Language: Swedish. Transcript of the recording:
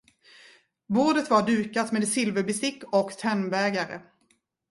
Bordet var dukat med silverbestick och tennbägare.